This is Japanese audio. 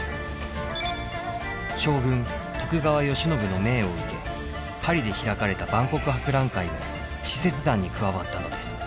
将軍徳川慶喜の命を受けパリで開かれた万国博覧会の使節団に加わったのです。